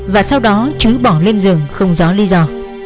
và sau đó chứ bỏ lên rừng không rõ lý do